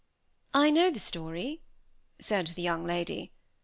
"I know the story," said the young lady.